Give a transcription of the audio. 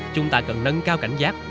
chúng ta cần nâng cao cảnh giác